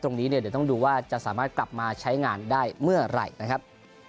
ตรงนี้เนี่ยเดี๋ยวต้องดูว่าจะสามารถกลับมาใช้งานได้เมื่อไหร่นะครับ